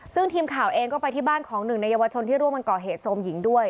ซึ่งทีมข่าวเองก็ไปที่บ้านของหนึ่งในเยาวชนที่ร่วมกันก่อเหตุโทรมหญิงด้วย